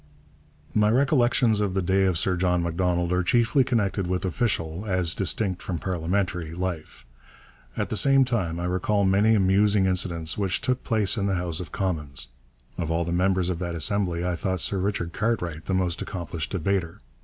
My recollections of the day of Sir John Macdonald are chiefly connected with official, as distinct from parliamentary, life. At the same time I recall many amusing incidents which took place in the House of Commons. Of all the members of that assembly I thought Sir Richard Cartwright the most accomplished debater.